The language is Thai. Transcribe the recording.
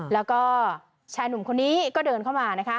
แล้วก็ชายหนุ่มคนนี้ก็เดินเข้ามานะคะ